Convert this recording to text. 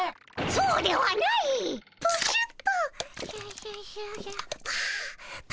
そうではないっ！